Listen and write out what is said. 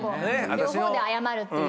両方で謝るっていう。